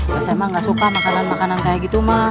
biasa mah gak suka makanan makanan kayak gitu mah